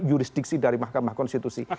jurisdiksi dari mahkamah konstitusi